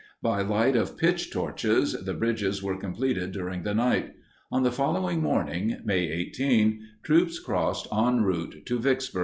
By light of pitch torches, the bridges were completed during the night. On the following morning, May 18, troops crossed en route to Vicksburg.